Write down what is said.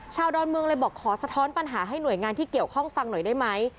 ดอนเมืองเลยบอกขอสะท้อนปัญหาให้หน่วยงานที่เกี่ยวข้องฟังหน่อยได้ไหม